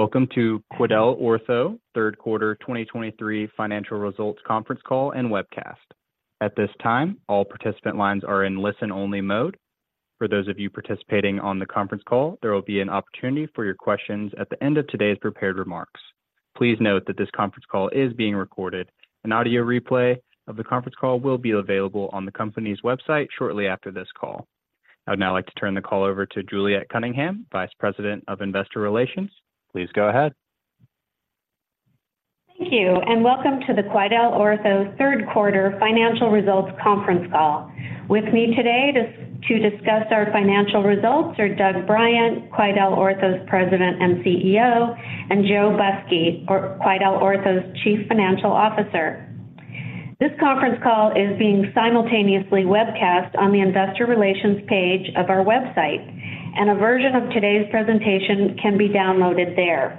Welcome to QuidelOrtho Third Quarter 2023 Financial Results Conference Call and Webcast. At this time, all participant lines are in listen-only mode. For those of you participating on the conference call, there will be an opportunity for your questions at the end of today's prepared remarks. Please note that this conference call is being recorded. An audio replay of the conference call will be available on the company's website shortly after this call. I would now like to turn the call over to Juliet Cunningham, Vice President of Investor Relations. Please go ahead. Thank you, and welcome to the QuidelOrtho third quarter financial results conference call. With me today to discuss our financial results are Doug Bryant, QuidelOrtho's President and CEO, and Joe Busky, QuidelOrtho's Chief Financial Officer. This conference call is being simultaneously webcast on the Investor Relations page of our website, and a version of today's presentation can be downloaded there.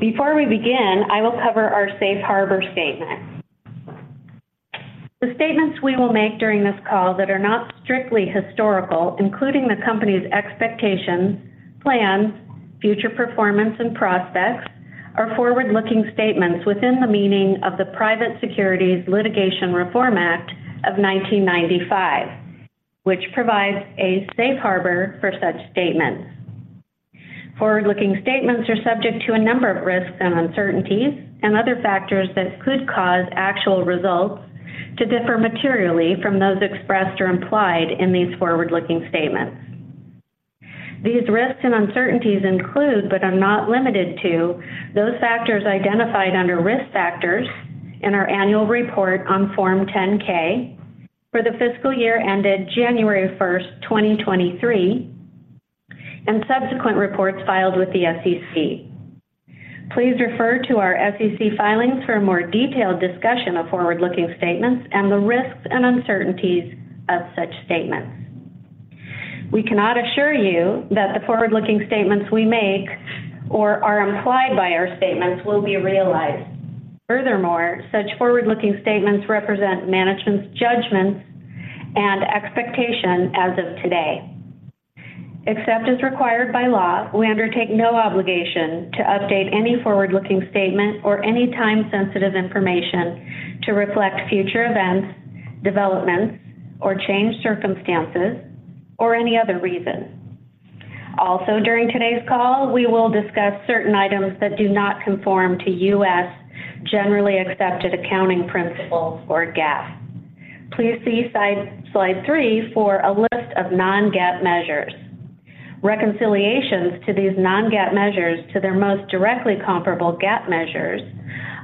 Before we begin, I will cover our safe harbor statement. The statements we will make during this call that are not strictly historical, including the company's expectations, plans, future performance and prospects, are forward-looking statements within the meaning of the Private Securities Litigation Reform Act of 1995, which provides a safe harbor for such statements. Forward-looking statements are subject to a number of risks and uncertainties and other factors that could cause actual results to differ materially from those expressed or implied in these forward-looking statements. These risks and uncertainties include, but are not limited to, those factors identified under Risk Factors in our Annual Report on Form 10-K for the fiscal year ended 01/01/2023, and subsequent reports filed with the SEC. Please refer to our SEC filings for a more detailed discussion of forward-looking statements and the risks and uncertainties of such statements. We cannot assure you that the forward-looking statements we make or are implied by our statements will be realized. Furthermore, such forward-looking statements represent management's judgments and expectation as of today. Except as required by law, we undertake no obligation to update any forward-looking statement or any time-sensitive information to reflect future events, developments, or changed circumstances, or any other reason. Also, during today's call, we will discuss certain items that do not conform to U.S. Generally Accepted Accounting Principles or GAAP. Please see slide three for a list of non-GAAP measures. Reconciliations to these non-GAAP measures to their most directly comparable GAAP measures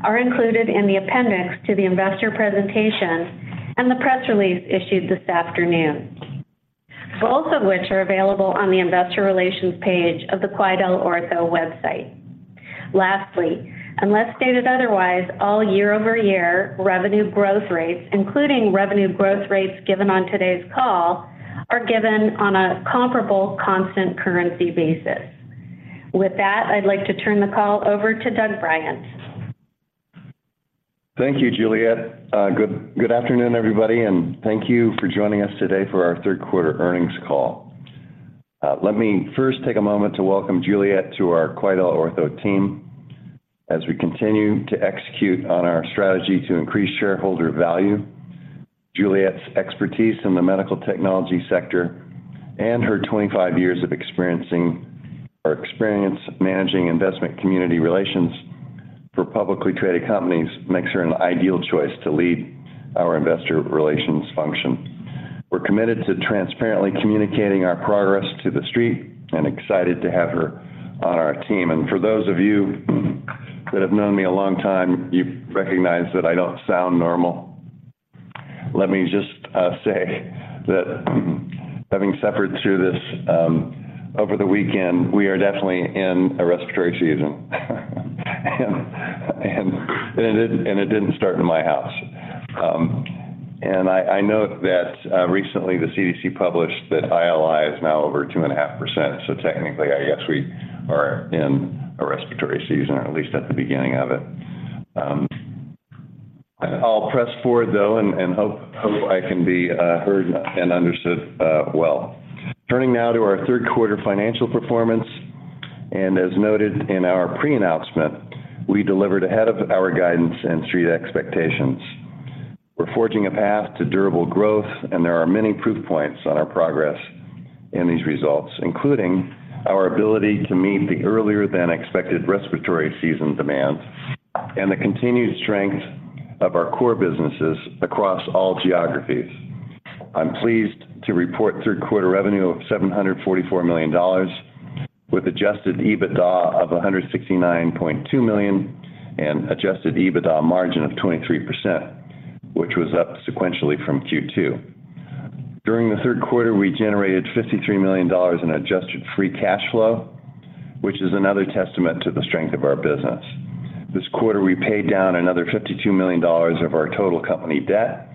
are included in the appendix to the investor presentation and the press release issued this afternoon, both of which are available on the Investor Relations page of the QuidelOrtho website. Lastly, unless stated otherwise, all year-over-year revenue growth rates, including revenue growth rates given on today's call, are given on a comparable constant currency basis. With that, I'd like to turn the call over to Doug Bryant. Thank you, Juliet. Good afternoon, everybody, and thank you for joining us today for our third quarter earnings call. Let me first take a moment to welcome Juliet to our QuidelOrtho team. As we continue to execute on our strategy to increase shareholder value, Juliet's expertise in the medical technology sector and her 25 years of experience managing investment community relations for publicly traded companies makes her an ideal choice to lead our investor relations function. We're committed to transparently communicating our progress to the street and excited to have her on our team. And for those of you that have known me a long time, you recognize that I don't sound normal. Let me just say that having suffered through this over the weekend, we are definitely in a respiratory season. It didn't start in my house. And I note that recently the CDC published that ILI is now over 2.5%, so technically, I guess we are in a respiratory season, or at least at the beginning of it. I'll press forward, though, and hope I can be heard and understood well. Turning now to our third quarter financial performance, and as noted in our pre-announcement, we delivered ahead of our guidance and street expectations. We're forging a path to durable growth, and there are many proof points on our progress in these results, including our ability to meet the earlier-than-expected respiratory season demand and the continued strength of our core businesses across all geographies. I'm pleased to report third quarter revenue of $744 million, with adjusted EBITDA of $169.2 million, and adjusted EBITDA margin of 23%, which was up sequentially from Q2. During the third quarter, we generated $53 million in adjusted free cash flow, which is another testament to the strength of our business. This quarter, we paid down another $52 million of our total company debt,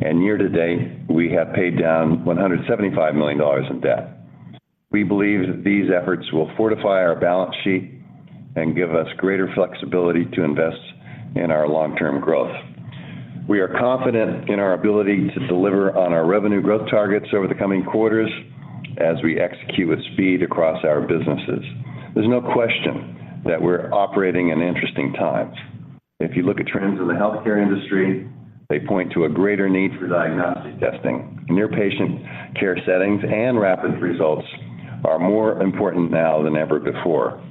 and year to date, we have paid down $175 million in debt. We believe that these efforts will fortify our balance sheet and give us greater flexibility to invest in our long-term growth... We are confident in our ability to deliver on our revenue growth targets over the coming quarters as we execute with speed across our businesses. There's no question that we're operating in interesting times. If you look at trends in the healthcare industry, they point to a greater need for diagnostic testing. Near patient care settings and rapid results are more important now than ever before.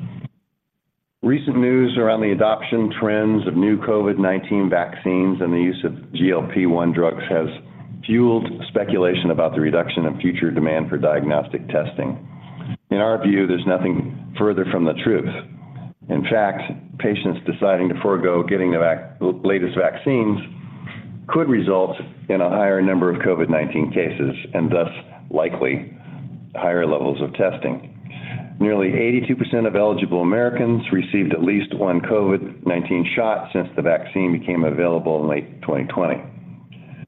Recent news around the adoption trends of new COVID-19 vaccines and the use of GLP-1 drugs has fueled speculation about the reduction of future demand for diagnostic testing. In our view, there's nothing further from the truth. In fact, patients deciding to forego getting the latest vaccines could result in a higher number of COVID-19 cases, and thus, likely higher levels of testing. Nearly 82% of eligible Americans received at least one COVID-19 shot since the vaccine became available in late 2020.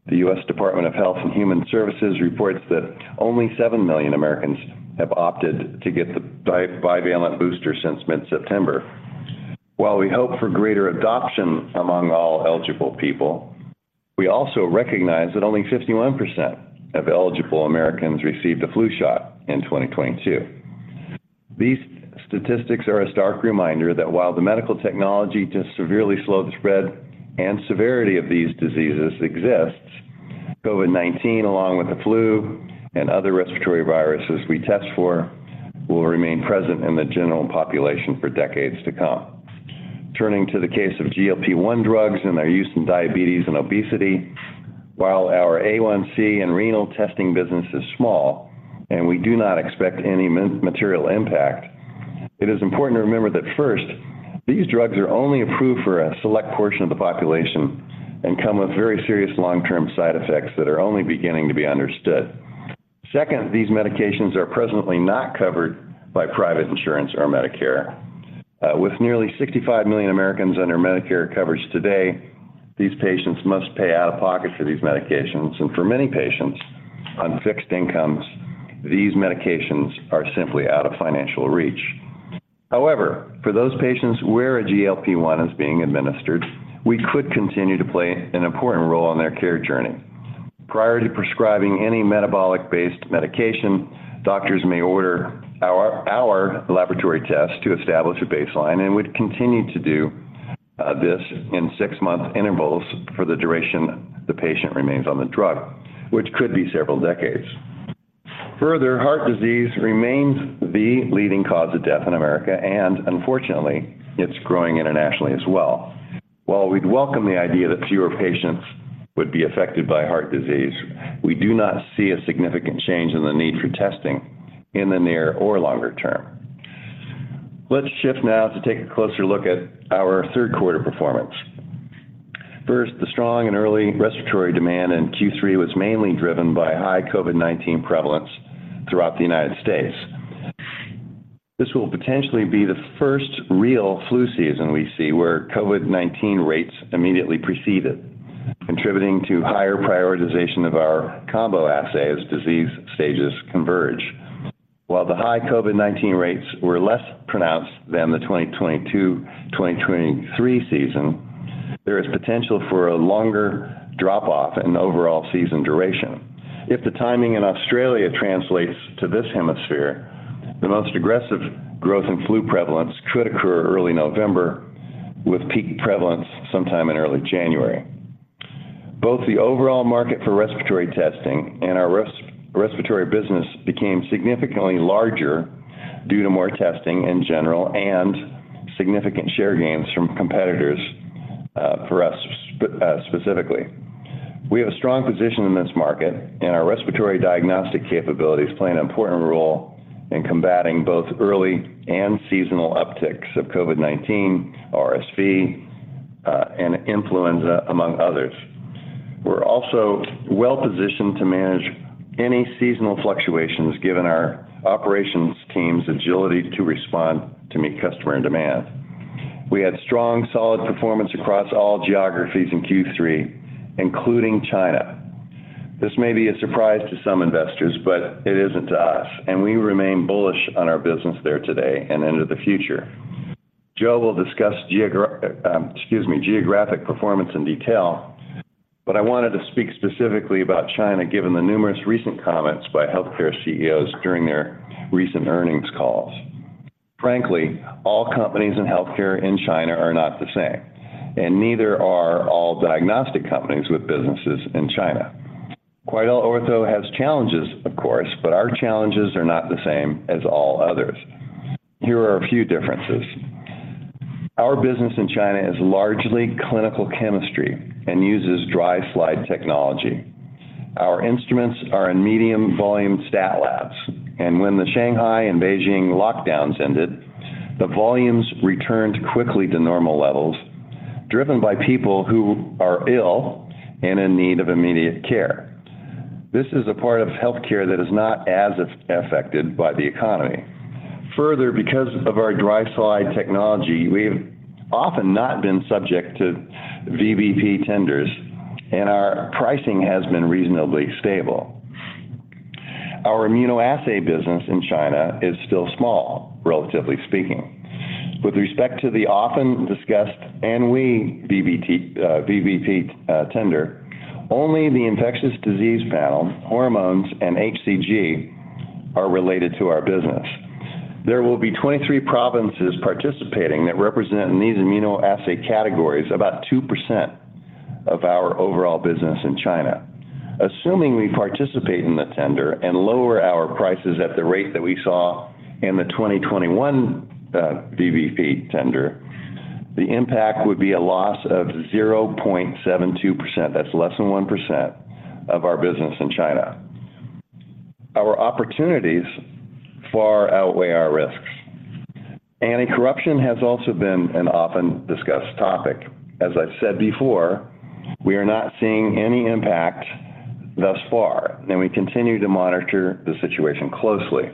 The U.S. Department of Health and Human Services reports that only 7 million Americans have opted to get the bivalent booster since mid-September. While we hope for greater adoption among all eligible people, we also recognize that only 51% of eligible Americans received a flu shot in 2022. These statistics are a stark reminder that while the medical technology to severely slow the spread and severity of these diseases exists, COVID-19, along with the flu and other respiratory viruses we test for, will remain present in the general population for decades to come. Turning to the case of GLP-1 drugs and their use in diabetes and obesity, while our A1C and renal testing business is small and we do not expect any material impact, it is important to remember that first, these drugs are only approved for a select portion of the population and come with very serious long-term side effects that are only beginning to be understood. Second, these medications are presently not covered by private insurance or Medicare. With nearly 65 million Americans under Medicare coverage today, these patients must pay out of pocket for these medications, and for many patients on fixed incomes, these medications are simply out of financial reach. However, for those patients where a GLP-1 is being administered, we could continue to play an important role in their care journey. Prior to prescribing any metabolic-based medication, doctors may order our laboratory test to establish a baseline and would continue to do this in six-month intervals for the duration the patient remains on the drug, which could be several decades. Further, heart disease remains the leading cause of death in America, and unfortunately, it's growing internationally as well. While we'd welcome the idea that fewer patients would be affected by heart disease, we do not see a significant change in the need for testing in the near or longer term. Let's shift now to take a closer look at our third quarter performance. First, the strong and early respiratory demand in Q3 was mainly driven by high COVID-19 prevalence throughout the United States. This will potentially be the first real flu season we see, where COVID-19 rates immediately precede it, contributing to higher prioritization of our combo assay as disease stages converge. While the high COVID-19 rates were less pronounced than the 2022/2023 season, there is potential for a longer drop-off in overall season duration. If the timing in Australia translates to this hemisphere, the most aggressive growth in flu prevalence could occur early November, with peak prevalence sometime in early January. Both the overall market for respiratory testing and our respiratory business became significantly larger due to more testing in general and significant share gains from competitors, for us specifically. We have a strong position in this market, and our respiratory diagnostic capabilities play an important role in combating both early and seasonal upticks of COVID-19, RSV, and influenza, among others. We're also well-positioned to manage any seasonal fluctuations, given our operations team's agility to respond to meet customer and demand. We had strong, solid performance across all geographies in Q3, including China. This may be a surprise to some investors, but it isn't to us, and we remain bullish on our business there today and into the future. Joe will discuss geographic performance in detail, but I wanted to speak specifically about China, given the numerous recent comments by healthcare CEOs during their recent earnings calls. Frankly, all companies in healthcare in China are not the same, and neither are all diagnostic companies with businesses in China. QuidelOrtho has challenges, of course, but our challenges are not the same as all others. Here are a few differences. Our business in China is largely clinical chemistry and uses dry slide technology. Our instruments are in medium-volume stat labs, and when the Shanghai and Beijing lockdowns ended, the volumes returned quickly to normal levels, driven by people who are ill and in need of immediate care. This is a part of healthcare that is not as affected by the economy. Further, because of our dry slide technology, we've often not been subject to VBP tenders, and our pricing has been reasonably stable. Our immunoassay business in China is still small, relatively speaking. With respect to the often discussed Anhui BBT, VBP tender, only the infectious disease panel, hormones, and hCG are related to our business. There will be 23 provinces participating that represent in these immunoassay categories, about 2% of our overall business in China. Assuming we participate in the tender and lower our prices at the rate that we saw in the 2021, VBP tender, the impact would be a loss of 0.72%, that's less than 1% of our business in China. Our opportunities far outweigh our risks. Anti-corruption has also been an often discussed topic. As I've said before, we are not seeing any impact thus far, and we continue to monitor the situation closely.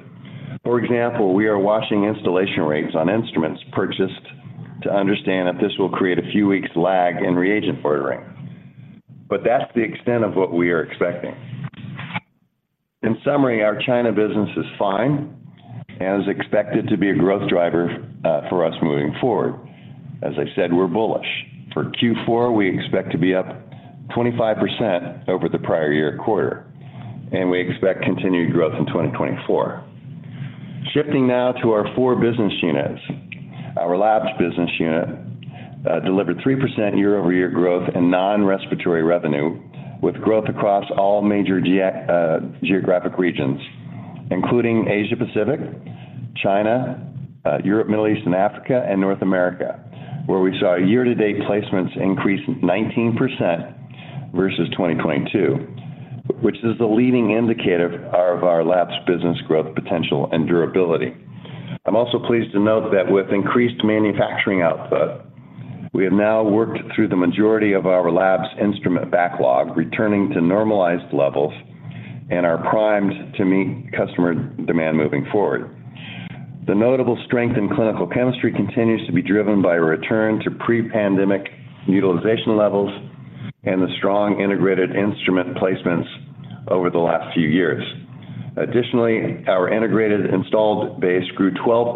For example, we are watching installation rates on instruments purchased to understand if this will create a few weeks lag in reagent ordering. But that's the extent of what we are expecting. In summary, our China business is fine and is expected to be a growth driver for us moving forward. As I said, we're bullish. For Q4, we expect to be up 25% over the prior year quarter, and we expect continued growth in 2024. Shifting now to our four business units. Our labs business unit delivered 3% year-over-year growth in non-respiratory revenue, with growth across all major geographic regions, including Asia Pacific, China, Europe, Middle East and Africa, and North America, where we saw year-to-date placements increase 19% versus 2022, which is the leading indicator of our labs business growth, potential, and durability. I'm also pleased to note that with increased manufacturing output, we have now worked through the majority of our labs instrument backlog, returning to normalized levels and are primed to meet customer demand moving forward. The notable strength in clinical chemistry continues to be driven by a return to pre-pandemic utilization levels and the strong integrated instrument placements over the last few years. Additionally, our integrated installed base grew 12%,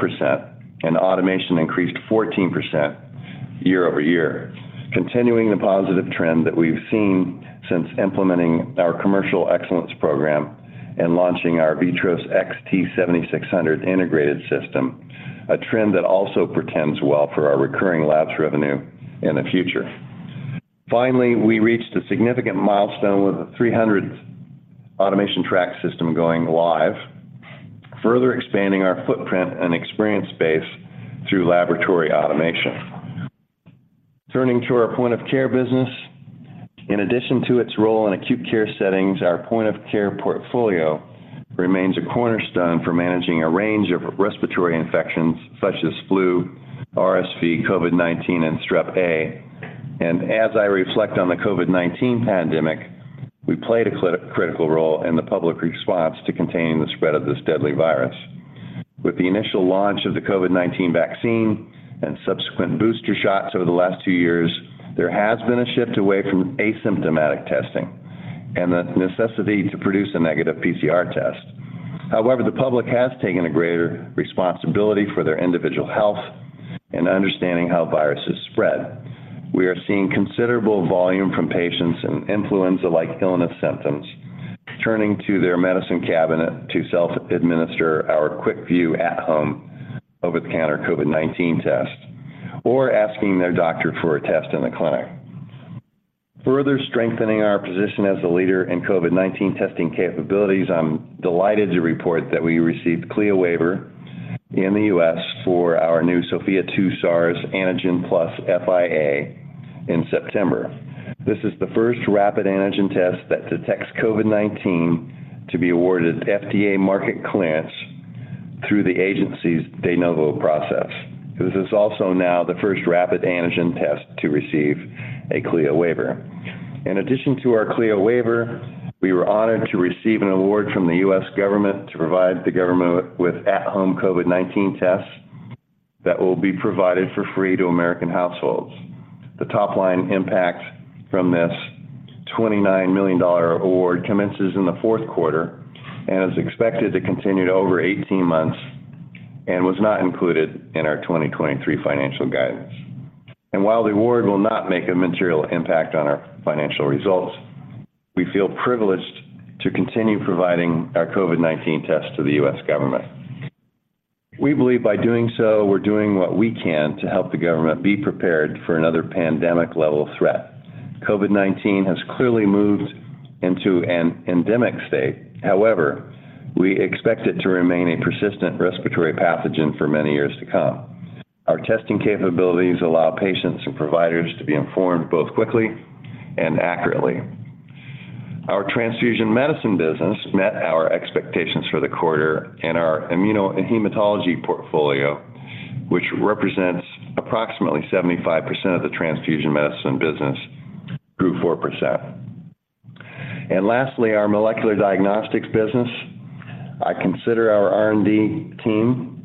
and automation increased 14% year-over-year, continuing the positive trend that we've seen since implementing our commercial excellence program and launching our VITROS XT 7600 integrated system, a trend that also portends well for our recurring labs revenue in the future. Finally, we reached a significant milestone with the 300th automation track system going live, further expanding our footprint and experience base through laboratory automation. Turning to our point of care business. In addition to its role in acute care settings, our point of care portfolio remains a cornerstone for managing a range of respiratory infections such as flu, RSV, COVID-19, and Strep A. And as I reflect on the COVID-19 pandemic, we played a critical role in the public response to containing the spread of this deadly virus. With the initial launch of the COVID-19 vaccine and subsequent booster shots over the last two years, there has been a shift away from asymptomatic testing and the necessity to produce a negative PCR test. However, the public has taken a greater responsibility for their individual health and understanding how viruses spread. We are seeing considerable volume from patients and influenza-like illness symptoms, turning to their medicine cabinet to self-administer our QuickVue at-home, over-the-counter COVID-19 test, or asking their doctor for a test in the clinic. Further strengthening our position as a leader in COVID-19 testing capabilities, I'm delighted to report that we received CLIA waiver in the US for our new Sofia 2 SARS Antigen+ FIA in September. This is the first rapid antigen test that detects COVID-19 to be awarded FDA market clearance through the agency's de novo process. This is also now the first rapid antigen test to receive a CLIA waiver. In addition to our CLIA waiver, we were honored to receive an award from the U.S. government to provide the government with at-home COVID-19 tests that will be provided for free to American households. The top line impact from this $29 million award commences in the fourth quarter and is expected to continue to over 18 months and was not included in our 2023 financial guidance. And while the award will not make a material impact on our financial results, we feel privileged to continue providing our COVID-19 tests to the U.S. government. We believe by doing so, we're doing what we can to help the government be prepared for another pandemic-level threat. COVID-19 has clearly moved into an endemic state. However, we expect it to remain a persistent respiratory pathogen for many years to come. Our testing capabilities allow patients and providers to be informed both quickly and accurately. Our transfusion medicine business met our expectations for the quarter, and our immuno and hematology portfolio, which represents approximately 75% of the transfusion medicine business, grew 4%. Lastly, our molecular diagnostics business. I consider our R&D team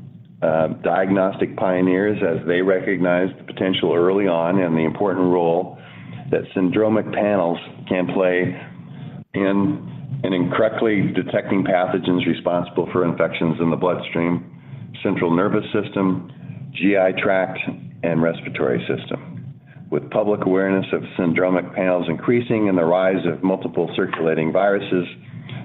diagnostic pioneers as they recognized the potential early on and the important role that syndromic panels can play in correctly detecting pathogens responsible for infections in the bloodstream, central nervous system, GI tract, and respiratory system. With public awareness of syndromic panels increasing and the rise of multiple circulating viruses,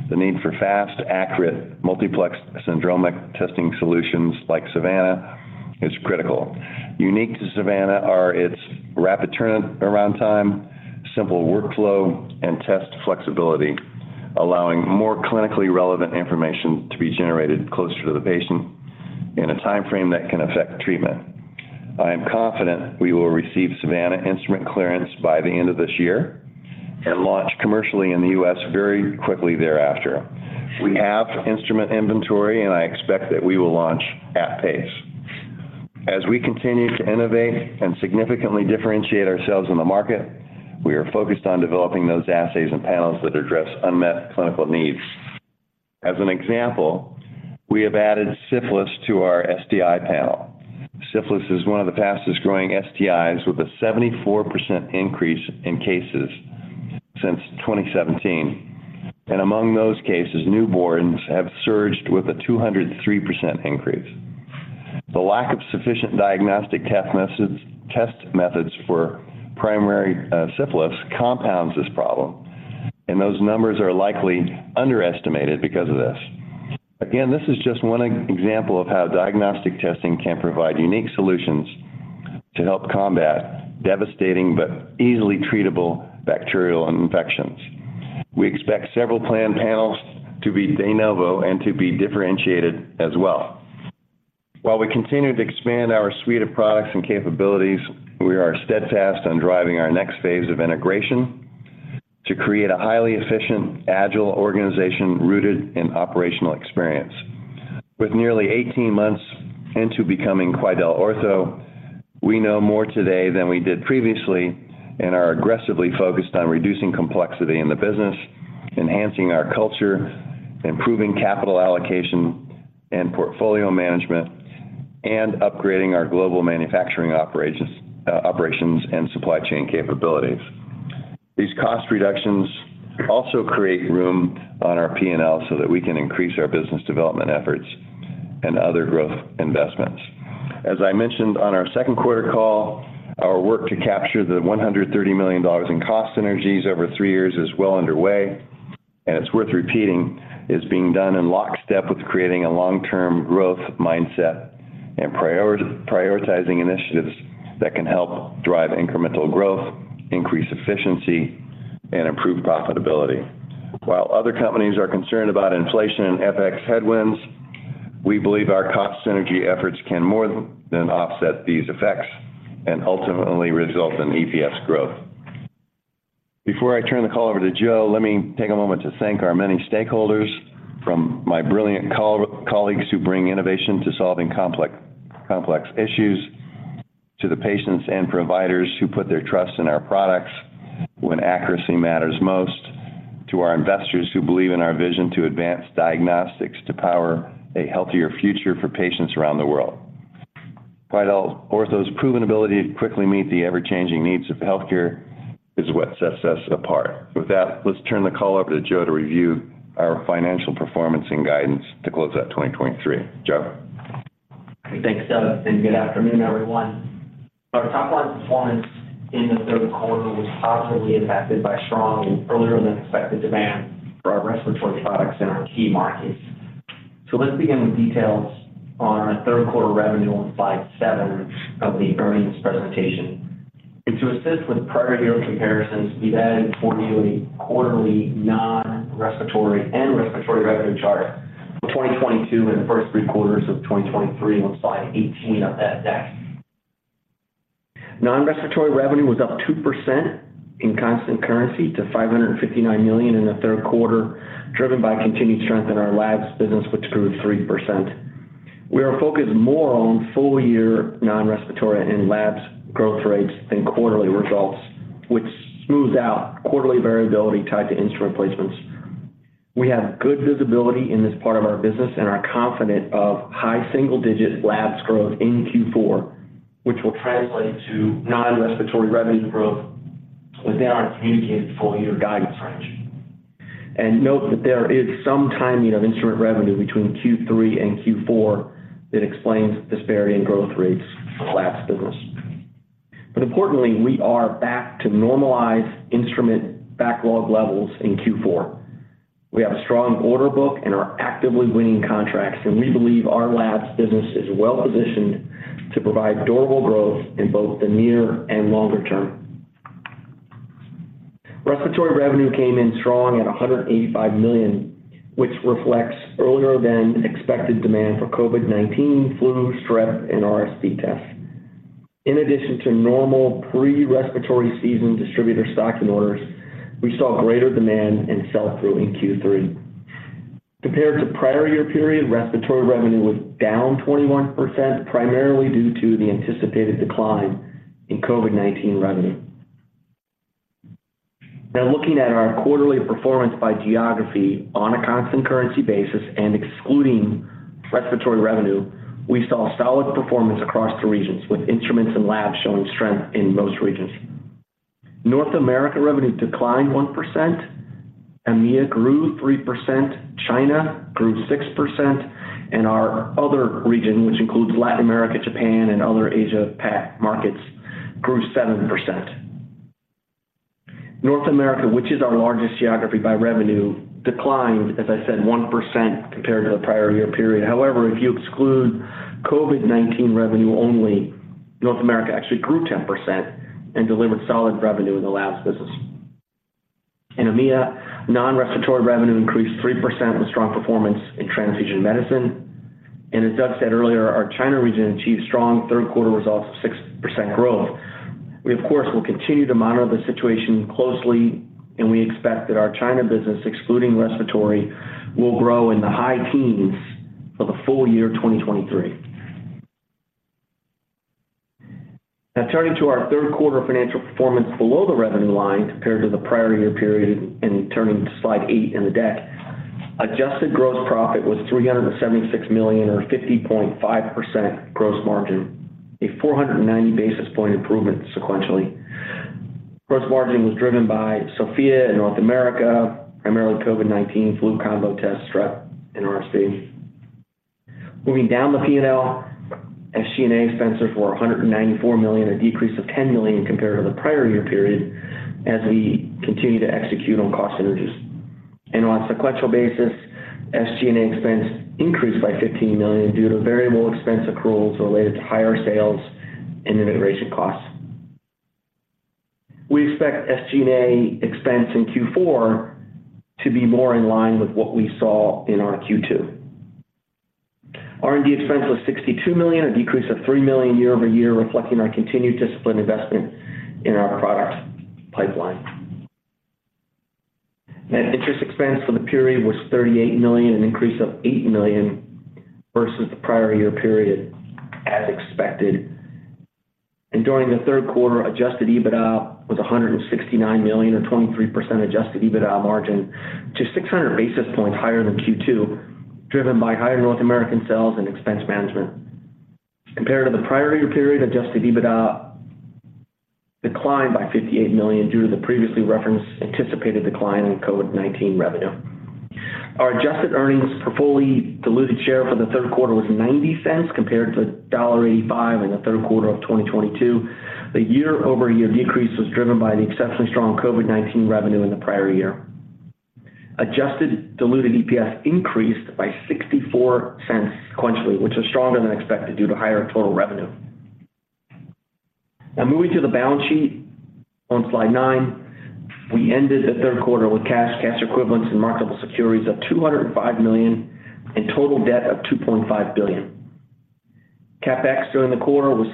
the need for fast, accurate, multiplexed syndromic testing solutions like Savanna is critical. Unique to Savanna are its rapid turnaround time, simple workflow, and test flexibility, allowing more clinically relevant information to be generated closer to the patient in a timeframe that can affect treatment. I am confident we will receive Savanna instrument clearance by the end of this year, and launch commercially in the U.S. very quickly thereafter. We have instrument inventory, and I expect that we will launch at pace. As we continue to innovate and significantly differentiate ourselves in the market, we are focused on developing those assays and panels that address unmet clinical needs. As an example, we have added syphilis to our STI panel. Syphilis is one of the fastest growing STIs, with a 74% increase in cases since 2017. And among those cases, newborns have surged with a 203% increase. The lack of sufficient diagnostic test methods, test methods for primary syphilis compounds this problem, and those numbers are likely underestimated because of this. Again, this is just one example of how diagnostic testing can provide unique solutions to help combat devastating but easily treatable bacterial infections. We expect several planned panels to be de novo and to be differentiated as well. While we continue to expand our suite of products and capabilities, we are steadfast on driving our next phase of integration to create a highly efficient, agile organization rooted in operational experience. With nearly 18 months into becoming QuidelOrtho, we know more today than we did previously and are aggressively focused on reducing complexity in the business, enhancing our culture, improving capital allocation and portfolio management, and upgrading our global manufacturing operations, operations and supply chain capabilities. These cost reductions also create room on our P&L so that we can increase our business development efforts and other growth investments. As I mentioned on our second quarter call, our work to capture the $130 million in cost synergies over three years is well underway, and it's worth repeating, is being done in lockstep with creating a long-term growth mindset and prioritizing initiatives that can help drive incremental growth, increase efficiency, and improve profitability. While other companies are concerned about inflation and FX headwinds, we believe our cost synergy efforts can more than offset these effects and ultimately result in EPS growth. Before I turn the call over to Joe, let me take a moment to thank our many stakeholders, from my brilliant colleagues who bring innovation to solving complex issues, to the patients and providers who put their trust in our products when accuracy matters most, to our investors who believe in our vision to advance diagnostics to power a healthier future for patients around the world. QuidelOrtho's proven ability to quickly meet the ever-changing needs of healthcare is what sets us apart. With that, let's turn the call over to Joe to review our financial performance and guidance to close out 2023. Joe? Thanks, Doug, and good afternoon, everyone. Our top line performance in the third quarter was positively impacted by strong, earlier-than-expected demand for our respiratory products in our key markets. So let's begin with details on our third quarter revenue on slide 7 of the earnings presentation. And to assist with prior year comparisons, we've added for you a quarterly non-respiratory and respiratory revenue chart for 2022 and the first three quarters of 2023 on slide 18 of that deck. Non-respiratory revenue was up 2% in constant currency to $559 million in the third quarter, driven by continued strength in our labs business, which grew 3%. We are focused more on full-year non-respiratory and labs growth rates than quarterly results, which smooths out quarterly variability tied to instrument placements. We have good visibility in this part of our business and are confident of high single-digit labs growth in Q4, which will translate to non-respiratory revenue growth within our communicated full-year guidance range. Note that there is some timing of instrument revenue between Q3 and Q4 that explains the disparity in growth rates for the labs business. Importantly, we are back to normalized instrument backlog levels in Q4. We have a strong order book and are actively winning contracts, and we believe our labs business is well positioned to provide durable growth in both the near and longer term. Respiratory revenue came in strong at $185 million, which reflects earlier-than-expected demand for COVID-19, flu, strep, and RSV tests. In addition to normal pre-respiratory season distributor stocking orders, we saw greater demand and sell-through in Q3. Compared to prior year period, respiratory revenue was down 21%, primarily due to the anticipated decline in COVID-19 revenue. Now looking at our quarterly performance by geography on a constant currency basis and excluding respiratory revenue, we saw solid performance across the regions, with instruments and labs showing strength in most regions. North America revenue declined 1%, EMEA grew 3%, China grew 6%, and our other region, which includes Latin America, Japan, and other Asia Pac markets, grew 7%. North America, which is our largest geography by revenue, declined, as I said, 1% compared to the prior year period. However, if you exclude COVID-19 revenue only, North America actually grew 10% and delivered solid revenue in the labs business. In EMEA, non-respiratory revenue increased 3% with strong performance in transfusion medicine. As Doug said earlier, our China region achieved strong third quarter results of 6% growth. We, of course, will continue to monitor the situation closely, and we expect that our China business, excluding respiratory, will grow in the high teens for the full year 2023. Now, turning to our third quarter financial performance below the revenue line compared to the prior year period, and turning to slide 8 in the deck. Adjusted gross profit was $376 million, or 50.5% gross margin, a 490 basis point improvement sequentially. Gross margin was driven by Sofia in North America, primarily COVID-19 flu combo test, strep, and RSV. Moving down the P&L, SG&A expenses were $194 million, a decrease of $10 million compared to the prior year period as we continue to execute on cost synergies. On a sequential basis, SG&A expense increased by $15 million due to variable expense accruals related to higher sales and integration costs. We expect SG&A expense in Q4 to be more in line with what we saw in our Q2. R&D expense was $62 million, a decrease of $3 million year-over-year, reflecting our continued disciplined investment in our product pipeline. Net interest expense for the period was $38 million, an increase of $8 million versus the prior year period, as expected. During the third quarter, adjusted EBITDA was $169 million, or 23% adjusted EBITDA margin, to 600 basis points higher than Q2, driven by higher North American sales and expense management. Compared to the prior year period, adjusted EBITDA declined by $58 million due to the previously referenced anticipated decline in COVID-19 revenue. Our adjusted earnings per fully diluted share for the third quarter was $0.90, compared to $1.85 in the third quarter of 2022. The year-over-year decrease was driven by the exceptionally strong COVID-19 revenue in the prior year. Adjusted diluted EPS increased by $0.64 sequentially, which is stronger than expected due to higher total revenue. Now moving to the balance sheet on slide nine. We ended the third quarter with cash, cash equivalents, and marketable securities of $205 million, and total debt of $2.5 billion. CapEx during the quarter was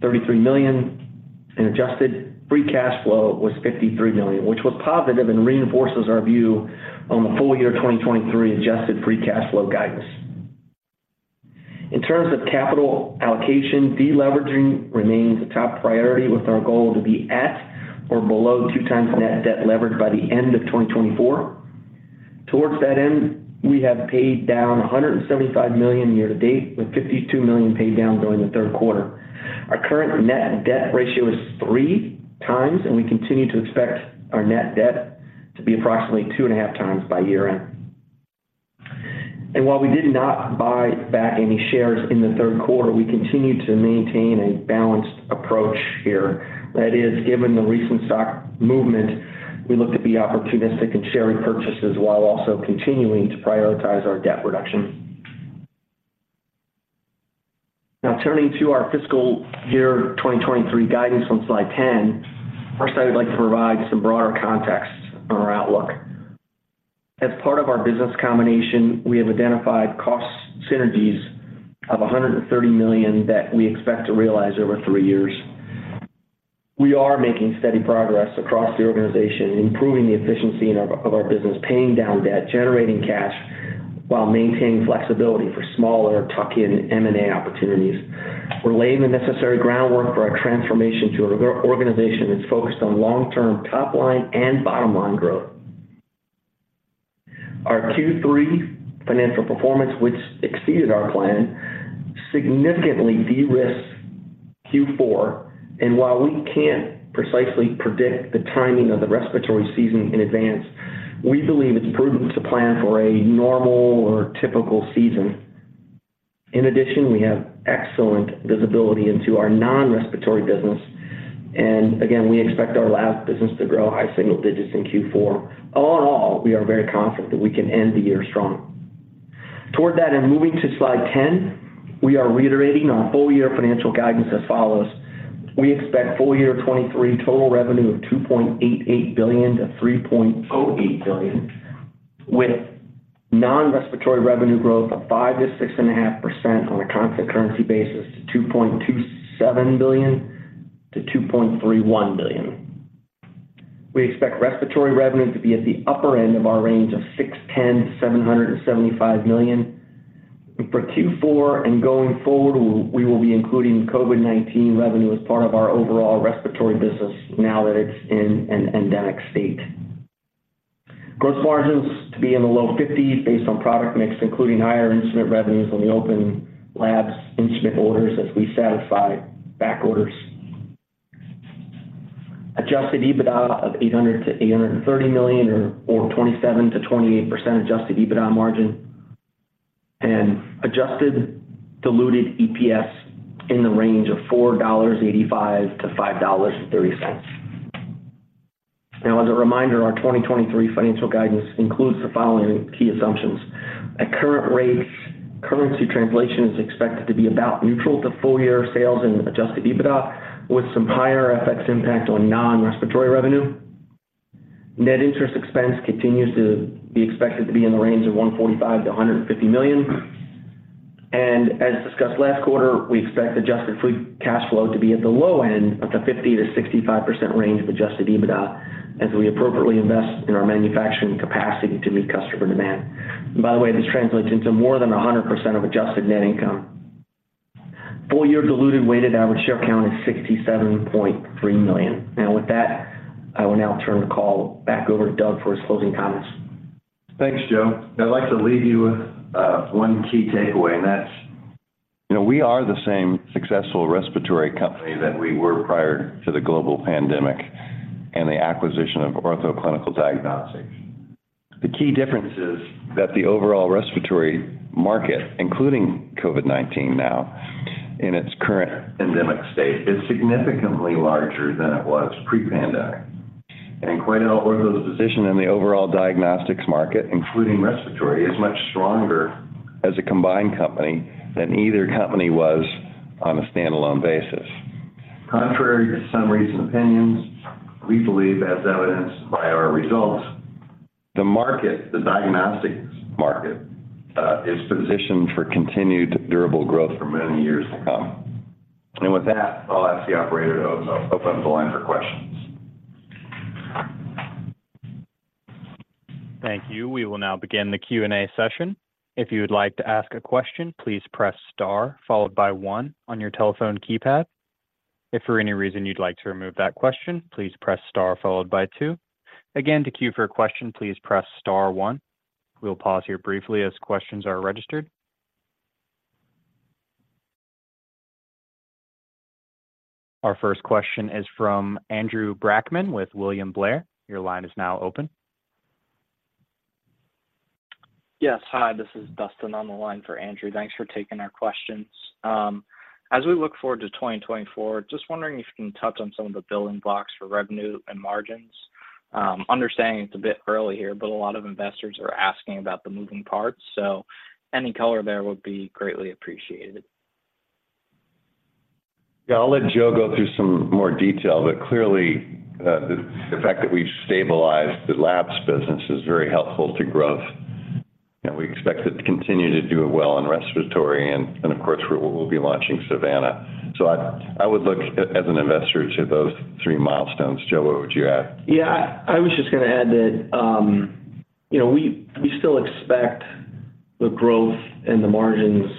$33 million, and adjusted free cash flow was $53 million, which was positive and reinforces our view on the full year 2023 adjusted free cash flow guidance. In terms of capital allocation, deleveraging remains a top priority, with our goal to be at or below 2x net debt leverage by the end of 2024. Towards that end, we have paid down $175 million year to date, with $52 million paid down during the third quarter. Our current net debt ratio is 3x, and we continue to expect our net debt to be approximately 2.5x by year-end. And while we did not buy back any shares in the third quarter, we continue to maintain a balanced approach here. That is, given the recent stock movement, we look to be opportunistic in share repurchases while also continuing to prioritize our debt reduction. Now, turning to our fiscal year 2023 guidance on slide 10. First, I would like to provide some broader context on our outlook. As part of our business combination, we have identified cost synergies of $130 million that we expect to realize over 3 years. We are making steady progress across the organization, improving the efficiency of our business, paying down debt, generating cash, while maintaining flexibility for smaller tuck-in M&A opportunities. We're laying the necessary groundwork for our transformation to an organization that's focused on long-term top line and bottom line growth. Our Q3 financial performance, which exceeded our plan, significantly de-risks Q4. While we can't precisely predict the timing of the respiratory season in advance, we believe it's prudent to plan for a normal or typical season. In addition, we have excellent visibility into our non-respiratory business, and again, we expect our lab business to grow high single digits in Q4. All in all, we are very confident that we can end the year strong. Toward that, and moving to slide 10, we are reiterating our full-year financial guidance as follows: We expect full year 2023 total revenue of $2.88 billion-$3.08 billion, with non-respiratory revenue growth of 5%-6.5% on a constant currency basis, $2.27 billion-$2.31 billion. We expect respiratory revenue to be at the upper end of our range of $610 million-$775 million. For Q4 and going forward, we will be including COVID-19 revenue as part of our overall respiratory business now that it's in an endemic state. Gross margins to be in the low 50% based on product mix, including higher instrument revenues on the open labs instrument orders as we satisfy back orders. Adjusted EBITDA of $800 million-$830 million, or 27%-28% adjusted EBITDA margin, and adjusted diluted EPS in the range of $4.85-$5.30. Now, as a reminder, our 2023 financial guidance includes the following key assumptions. At current rates, currency translation is expected to be about neutral to full year sales and adjusted EBITDA, with some higher FX impact on non-respiratory revenue. Net interest expense continues to be expected to be in the range of $145 million-$150 million. As discussed last quarter, we expect adjusted free cash flow to be at the low end of the 50%-65% range of adjusted EBITDA as we appropriately invest in our manufacturing capacity to meet customer demand. By the way, this translates into more than 100% of adjusted net income. Full year diluted weighted average share count is 67.3 million. Now, with that, I will now turn the call back over to Doug for his closing comments. Thanks, Joe. I'd like to leave you with, you know, one key takeaway, and that's: you know, we are the same successful respiratory company that we were prior to the global pandemic and the acquisition of Ortho Clinical Diagnostics. The key difference is that the overall respiratory market, including COVID-19 now in its current endemic state, is significantly larger than it was pre-pandemic. Quite out, Ortho's position in the overall diagnostics market, including respiratory, is much stronger as a combined company than either company was on a standalone basis. Contrary to some recent opinions, we believe, as evidenced by our results, the market, the diagnostics market, is positioned for continued durable growth for many years to come. With that, I'll ask the operator to open up the line for questions. Thank you. We will now begin the Q&A session. If you would like to ask a question, please press star, followed by one on your telephone keypad. If for any reason you'd like to remove that question, please press star followed by two. Again, to queue for a question, please press star one. We'll pause here briefly as questions are registered. Our first question is from Andrew Brackmann with William Blair. Your line is now open. Yes, hi, this is Dustin on the line for Andrew. Thanks for taking our questions. As we look forward to 2024, just wondering if you can touch on some of the building blocks for revenue and margins. Understanding it's a bit early here, but a lot of investors are asking about the moving parts, so any color there would be greatly appreciated. Yeah, I'll let Joe go through some more detail, but clearly, the fact that we've stabilized the labs business is very helpful to growth, and we expect it to continue to do well in respiratory and of course, we'll be launching Savanna. So I would look as an investor to those three milestones. Joe, what would you add? Yeah, I was just going to add that, you know, we, we still expect the growth and the margins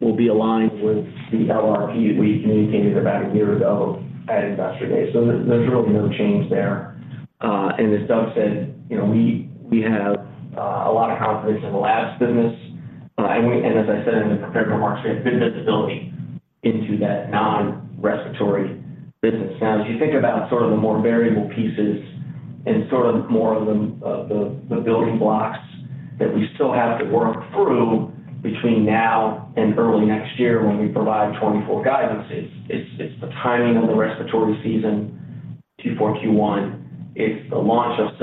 will be aligned with the LRP we communicated about a year ago at Investor Day. So there, there's really no change there. And as Doug said, you know, we, we have a lot of confidence in the labs business, and as I said in the prepared remarks, we have good visibility into that non-respiratory business. Now, as you think about sort of the more variable pieces and sort of more of the building blocks that we still have to work through between now and early next year when we provide 2024 guidance, it's the timing of the respiratory season, Q4, Q1, it's the launch of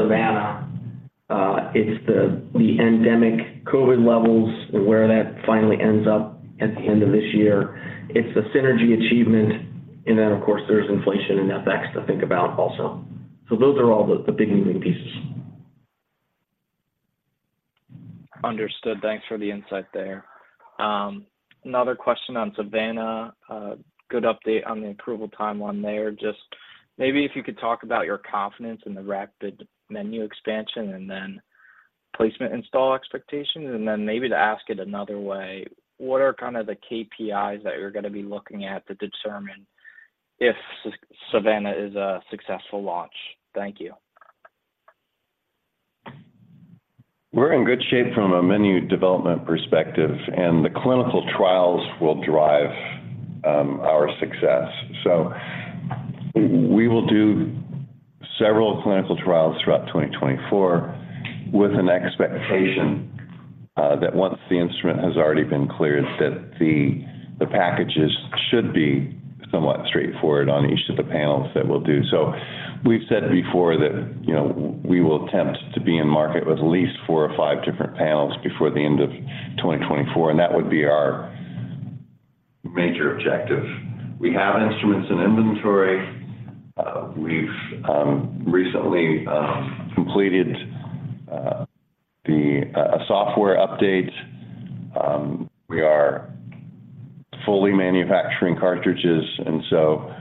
Savanna, it's the endemic COVID levels and where that finally ends up at the end of this year. It's the synergy achievement, and then, of course, there's inflation and FX to think about also. So those are all the big moving pieces. Understood. Thanks for the insight there. Another question on Savanna. Good update on the approval timeline there. Just maybe if you could talk about your confidence in the rapid menu expansion and then placement install expectations, and then maybe to ask it another way, what are kind of the KPIs that you're going to be looking at to determine if Savanna is a successful launch? Thank you. We're in good shape from a menu development perspective, and the clinical trials will drive our success. So we will do several clinical trials throughout 2024, with an expectation that once the instrument has already been cleared, that the packages should be somewhat straightforward on each of the panels that we'll do. So we've said before that, you know, we will attempt to be in market with at least four or five different panels before the end of 2024, and that would be our major objective. We have instruments in inventory. We've recently completed a software update. We are fully manufacturing cartridges, and so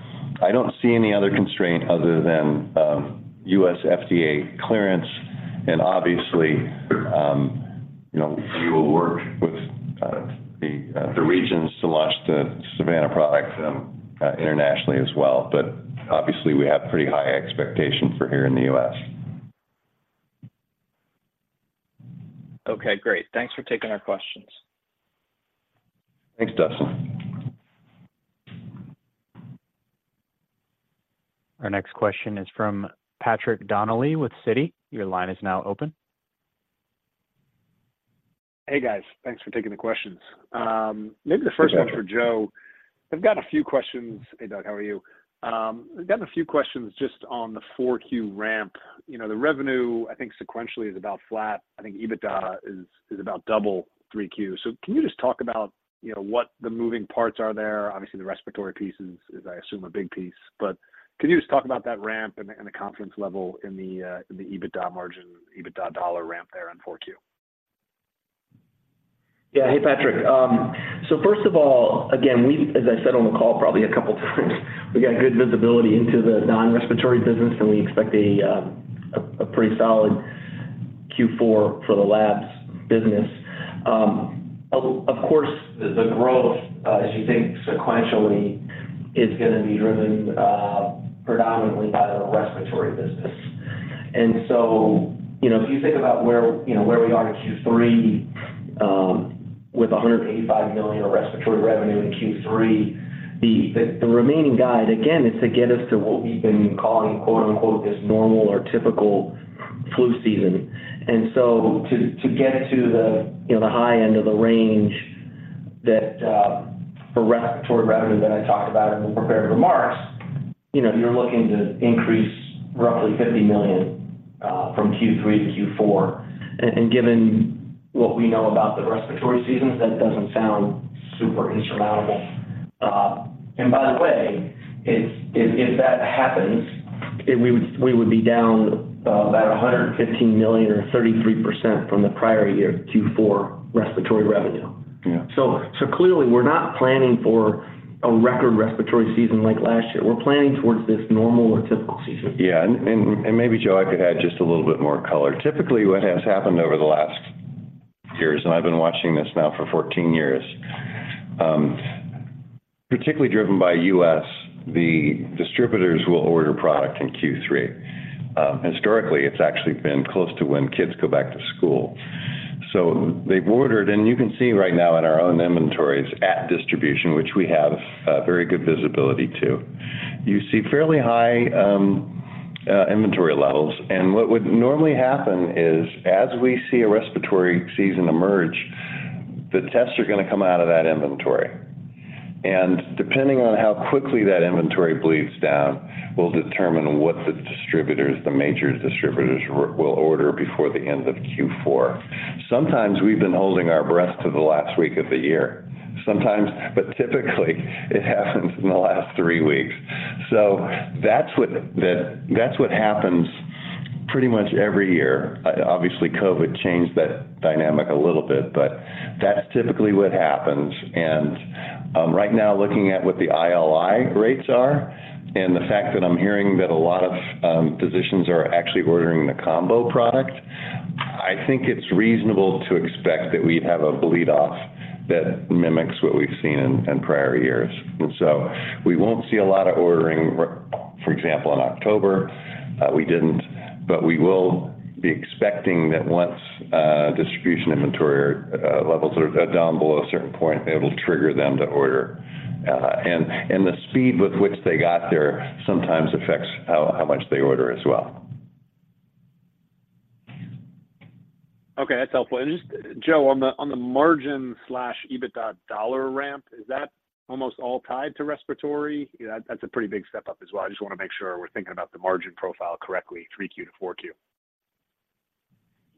I don't see any other constraint other than U.S. FDA clearance. And obviously, you know, we will work with the regions to launch the Savanna product internationally as well. But obviously, we have pretty high expectations for here in the U.S. Okay, great. Thanks for taking our questions. Thanks, Dustin. Our next question is from Patrick Donnelly with Citi. Your line is now open. Hey, guys. Thanks for taking the questions. Maybe the first one For Joe, I've got a few questions. Hey, Doug, how are you? I've got a few questions just on the 4Q ramp. You know, the revenue, I think, sequentially is about flat. I think EBITDA is, is about double 3Q. So can you just talk about, you know, what the moving parts are there? Obviously, the respiratory piece is, is I assume, a big piece, but can you just talk about that ramp and the, and the confidence level in the, in the EBITDA margin, EBITDA dollar ramp there in 4Q? Yeah. Hey, Patrick. So first of all, again, we, as I said on the call probably a couple of times, we got good visibility into the non-respiratory business, and we expect a pretty solid Q4 for the Labs business. Of course, the growth, as you think sequentially, is gonna be driven predominantly by the respiratory business. And so, you know, if you think about where, you know, where we are in Q3, with $185 million of respiratory revenue in Q3, the remaining guide, again, is to get us to what we've been calling, quote-unquote, "this normal or typical flu season." And so to get to the, you know, the high end of the range that for respiratory revenue that I talked about in the prepared remarks, you know, you're looking to increase roughly $50 million from Q3 to Q4. And given what we know about the respiratory seasons, that doesn't sound super insurmountable. And by the way, if that happens, we would be down about $115 million or 33% from the prior year Q4 respiratory revenue. Yeah. So, so clearly, we're not planning for a record respiratory season like last year. We're planning towards this normal or typical season. Yeah, maybe, Joe, I could add just a little bit more color. Typically, what has happened over the last years, and I've been watching this now for 14 years, particularly driven by U.S., the distributors will order product in Q3. Historically, it's actually been close to when kids go back to school. So they've ordered, and you can see right now in our own inventories at distribution, which we have very good visibility to. You see fairly high inventory levels, and what would normally happen is, as we see a respiratory season emerge, the tests are gonna come out of that inventory. And depending on how quickly that inventory bleeds down, will determine what the distributors, the major distributors will order before the end of Q4. Sometimes we've been holding our breath to the last week of the year, sometimes, but typically, it happens in the last 3 weeks. So that's what happens pretty much every year. Obviously, COVID changed that dynamic a little bit, but that's typically what happens. And right now, looking at what the ILI rates are and the fact that I'm hearing that a lot of physicians are actually ordering the combo product, I think it's reasonable to expect that we'd have a bleed-off that mimics what we've seen in prior years. And so we won't see a lot of ordering, for example, in October, we didn't, but we will be expecting that once distribution inventory levels are down below a certain point, it will trigger them to order and the speed with which they got there sometimes affects how much they order as well. Okay, that's helpful. Just, Joe, on the margin/EBITDA dollar ramp, is that almost all tied to respiratory? You know, that's a pretty big step up as well. I just wanna make sure we're thinking about the margin profile correctly, 3Q-4Q.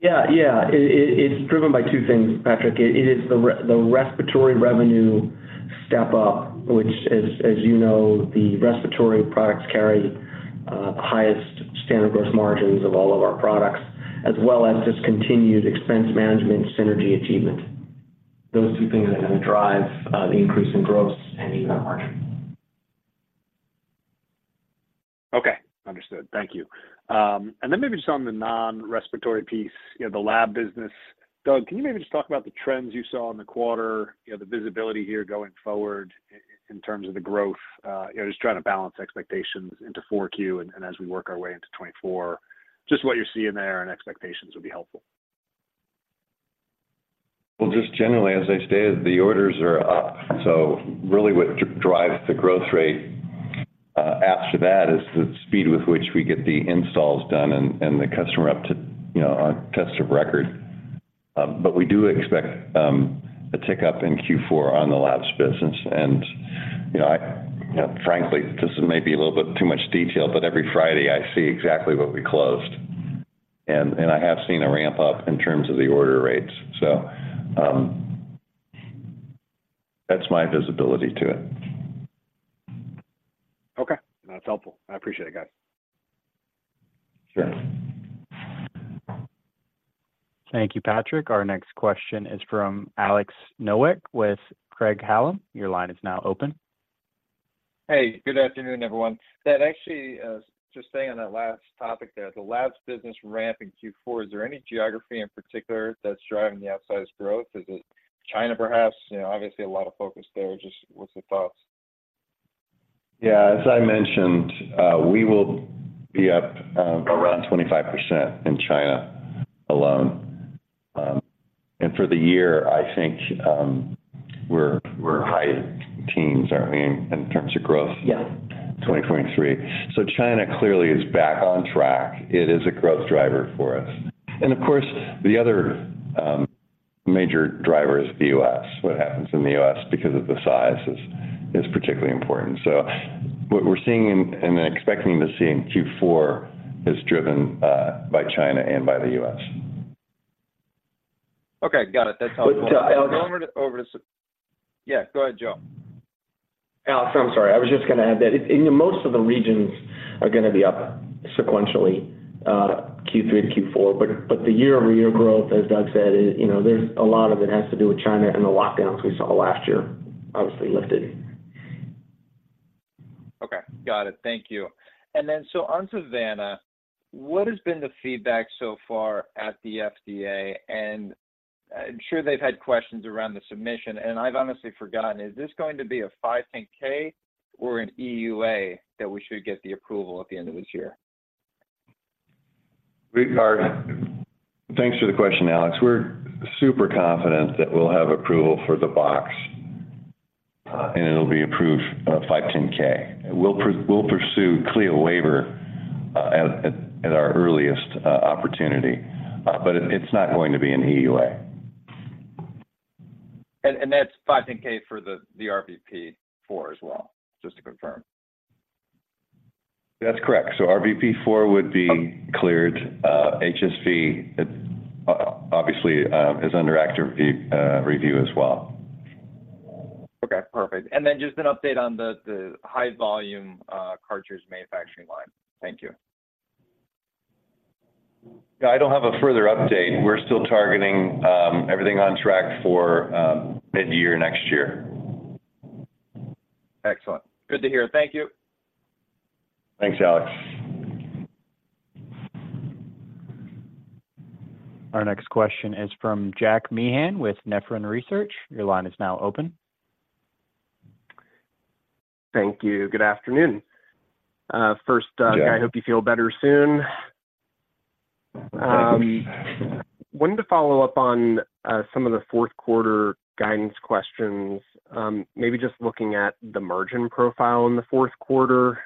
Yeah, yeah. It is driven by two things, Patrick. It is the respiratory revenue step up, which as you know, the respiratory products carry the highest standard gross margins of all of our products, as well as discontinued expense management synergy achievement. Those two things are gonna drive the increase in gross and EBITDA margin. Okay, understood. Thank you. And then maybe just on the non-respiratory piece, you know, the lab business. Doug, can you maybe just talk about the trends you saw in the quarter, you know, the visibility here going forward in terms of the growth? You know, just trying to balance expectations into 4Q, and as we work our way into 2024, just what you're seeing there and expectations would be helpful. Well, just generally, as I stated, the orders are up, so really what drives the growth rate, after that, is the speed with which we get the installs done and the customer up to, you know, on tests of record. But we do expect a tick-up in Q4 on the labs business. And, you know, I, you know, frankly, this may be a little bit too much detail, but every Friday, I see exactly what we closed, and I have seen a ramp-up in terms of the order rates. So, that's my visibility to it. Okay. That's helpful. I appreciate it, guys. Sure. Thank you, Patrick. Our next question is from Alex Nowak with Craig-Hallum. Your line is now open. Hey, good afternoon, everyone. That actually, just staying on that last topic there, the labs business ramp in Q4, is there any geography in particular that's driving the outsized growth? Is it China, perhaps? You know, obviously, a lot of focus there. Just what's the thoughts? Yeah, as I mentioned, we will be up around 25% in China alone. And for the year, I think, we're high teens, aren't we, in terms of growth? 2023. So China clearly is back on track. It is a growth driver for us. And of course, the other major driver is the U.S. What happens in the U.S. because of the size is particularly important. So what we're seeing and expecting to see in Q4 is driven by China and by the U.S. Yeah, go ahead, Joe. Alex, I'm sorry. I was just going to add that in most of the regions are going to be up sequentially, Q3 to Q4. But, but the year-over-year growth, as Doug said, is, you know, there's a lot of it has to do with China and the lockdowns we saw last year, obviously lifted. Okay. Got it. Thank you. And then, so on Savanna, what has been the feedback so far at the FDA? And I'm sure they've had questions around the submission, and I've honestly forgotten, is this going to be a 510(k) or an EUA, that we should get the approval at the end of this year? Great card. Thanks for the question, Alex. We're super confident that we'll have approval for the box, and it'll be approved 510(k). We'll pursue CLIA waiver at our earliest opportunity, but it's not going to be an EUA. And that's 510(k) for the RVP-4 as well, just to confirm? That's correct. So RVP-4 would be cleared, HSV. It obviously is under active review as well. Okay, perfect. And then just an update on the high volume cartridge manufacturing line. Thank you. Yeah. I don't have a further update. We're still targeting everything on track for mid-year next year. Excellent. Good to hear. Thank you. Thanks, Alex. Our next question is from Jack Meehan with Nephron Research. Your line is now open. Thank you. Good afternoon. First, Doug- Yeah. I hope you feel better soon. Thank you. Wanted to follow up on some of the fourth quarter guidance questions. Maybe just looking at the margin profile in the fourth quarter.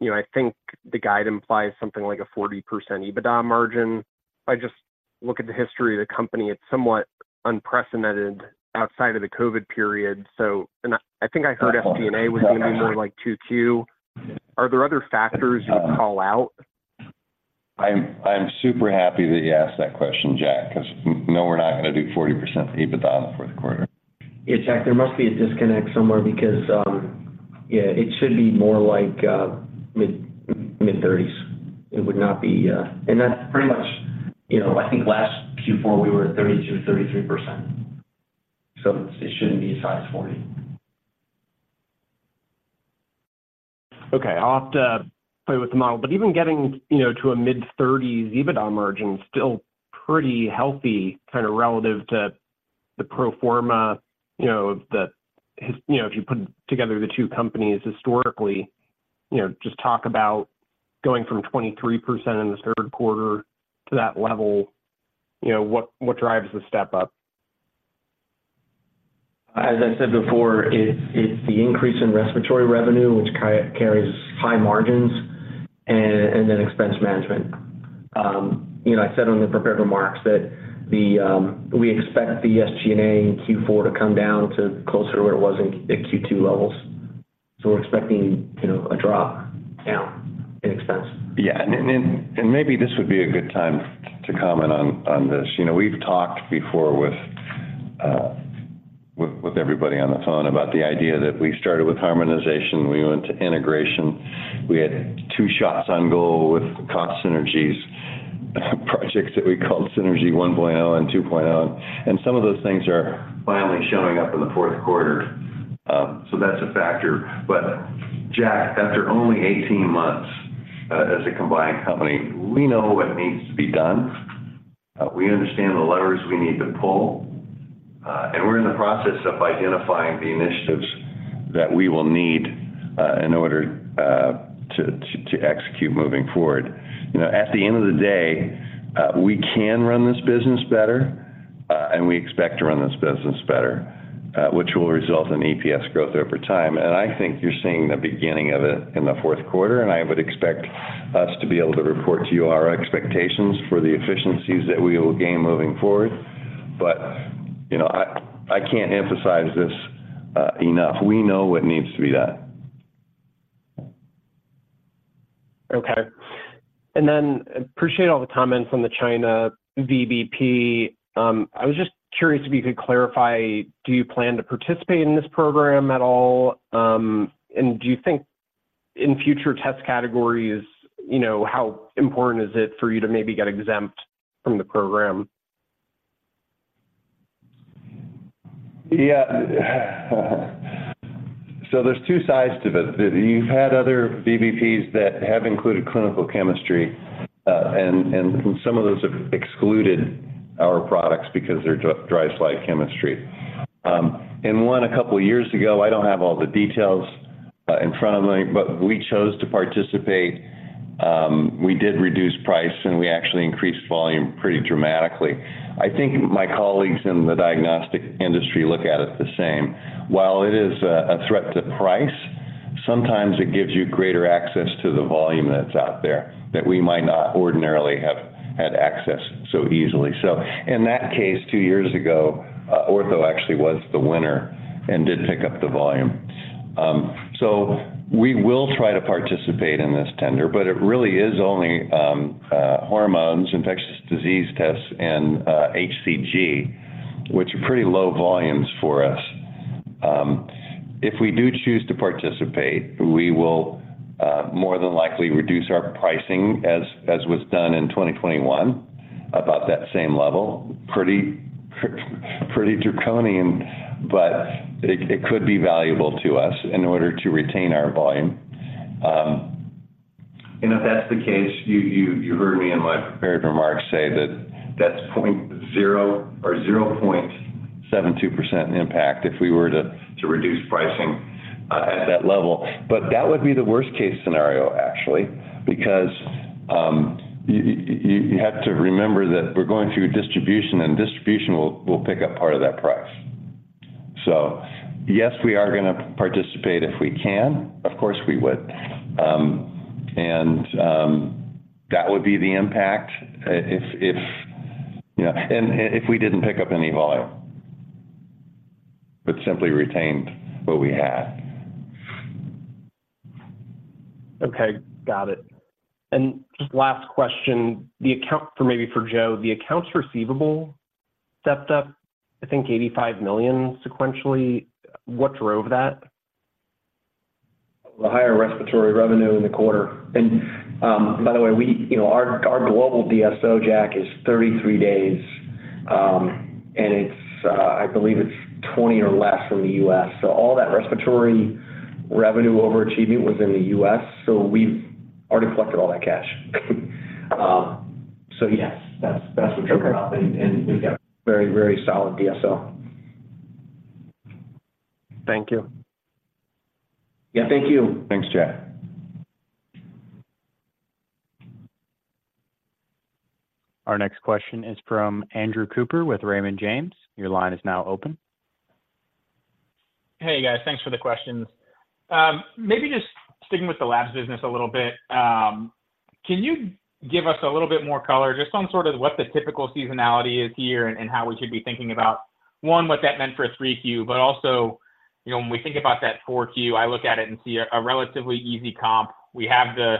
You know, I think the guide implies something like a 40% EBITDA margin. If I just look at the history of the company, it's somewhat unprecedented outside of the COVID period. So... And I think I heard SG&A was going to be more like 2Q. Are there other factors you'd call out? I'm super happy that you asked that question, Jack, because no, we're not going to do 40% EBITDA in the fourth quarter. Yeah, Jack, there must be a disconnect somewhere because, yeah, it should be more like mid-thirties. It would not be... And that's pretty much, you know, I think last Q4, we were at 32%-33%, so it shouldn't be as high as 40%. Okay. I'll have to play with the model, but even getting, you know, to a mid-thirties EBITDA margin, still pretty healthy, kind of relative to the pro forma, you know, the, you know, if you put together the two companies historically, you know, just talk about going from 23% in the third quarter to that level, you know, what, what drives the step up? As I said before, it's the increase in respiratory revenue, which carries high margins, and then expense management. You know, I said on the prepared remarks that the, we expect the SG&A in Q4 to come down to closer to where it was in Q2 levels. So we're expecting, you know, a drop down in expense. Yeah. And maybe this would be a good time to comment on this. You know, we've talked before with everybody on the phone about the idea that we started with harmonization, we went to integration. We had two shots on goal with cost synergies, projects that we called Synergy 1.0 and 2.0, and some of those things are finally showing up in the fourth quarter. So that's a factor. But Jack, after only 18 months as a combined company, we know what needs to be done, we understand the levers we need to pull, and we're in the process of identifying the initiatives that we will need in order to execute moving forward. You know, at the end of the day, we can run this business better, and we expect to run this business better, which will result in EPS growth over time. And I think you're seeing the beginning of it in the fourth quarter, and I would expect us to be able to report to you our expectations for the efficiencies that we will gain moving forward. But, you know, I can't emphasize this enough. We know what needs to be done. Okay. And then, I appreciate all the comments on the China VBP. I was just curious if you could clarify, do you plan to participate in this program at all? And do you think in future test categories, you know, how important is it for you to maybe get exempt from the program? Yeah, so there's two sides to this. You've had other VBPs that have included clinical chemistry, and some of those have excluded our products because they're dry slide chemistry. In one, a couple of years ago, I don't have all the details in front of me, but we chose to participate. We did reduce price, and we actually increased volume pretty dramatically. I think my colleagues in the diagnostic industry look at it the same. While it is a threat to price, sometimes it gives you greater access to the volume that's out there that we might not ordinarily have had access so easily. So in that case, two years ago, Ortho actually was the winner and did pick up the volume. So we will try to participate in this tender, but it really is only hormones, infectious disease tests, and HCG, which are pretty low volumes for us. If we do choose to participate, we will more than likely reduce our pricing as was done in 2021, about that same level. Pretty draconian, but it could be valuable to us in order to retain our volume. And if that's the case, you heard me in my prepared remarks say that that's 0 or 0.72% impact if we were to reduce pricing at that level. But that would be the worst-case scenario, actually, because you have to remember that we're going through distribution, and distribution will pick up part of that price. Yes, we are gonna participate if we can. Of course, we would. That would be the impact, if you know, and if we didn't pick up any volume, but simply retained what we had. Okay, got it. And just last question, for maybe Joe, the accounts receivable stepped up, I think, $85 million sequentially. What drove that? The higher respiratory revenue in the quarter. By the way, you know, our global DSO, Jack, is 33 days, and it's, I believe it's 20 or less from the U.S. So all that respiratory revenue overachievement was in the U.S., so we've already collected all that cash. So yes, that's what drove it up. Okay. And we've got very, very solid DSO. Thank you. Yeah, thank you. Thanks, Jack. Our next question is from Andrew Cooper with Raymond James. Your line is now open. Hey, guys. Thanks for the questions. Maybe just sticking with the Labs business a little bit, can you give us a little bit more color just on sort of what the typical seasonality is here and how we should be thinking about, one, what that meant for a 3Q? But also, you know, when we think about that 4Q, I look at it and see a, a relatively easy comp. We have the,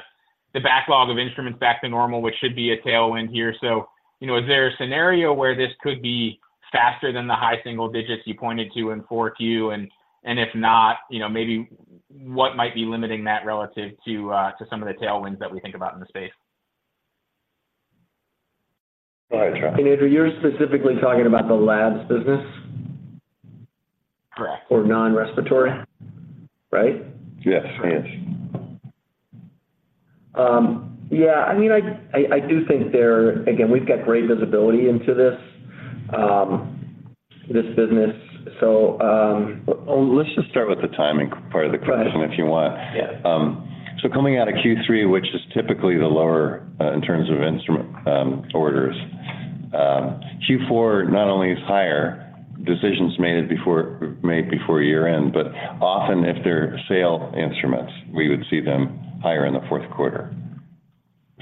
the backlog of instruments back to normal, which should be a tailwind here. So, you know, is there a scenario where this could be faster than the high single digits you pointed to in 4Q? And, and if not, you know, maybe what might be limiting that relative to, to some of the tailwinds that we think about in the space? All right, Jack. Andrew, you're specifically talking about the labs business? Correct. Or non-respiratory, right? Yes, he is. Yeah, I mean, I do think there... Again, we've got great visibility into this, this business. So, Well, let's just start with the timing part of the question if you want. Yeah. So coming out of Q3, which is typically the lower, in terms of instrument orders, Q4 not only is higher, decisions made before, made before year-end, but often, if they're sale instruments, we would see them higher in the fourth quarter.